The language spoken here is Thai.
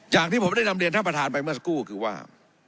อย่างที่ผมได้นำเรียนท่านประธานไปเมื่อสักครู่คือว่า